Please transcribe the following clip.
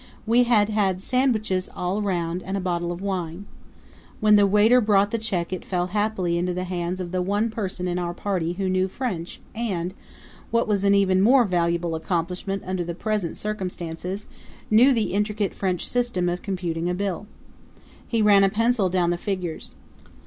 We had had sandwiches all round and a bottle of wine. When the waiter brought the check it fell haply into the hands of the one person in our party who knew French and what was an even more valuable accomplishment under the present circumstances knew the intricate French system of computing a bill. He ran a pencil down the figures.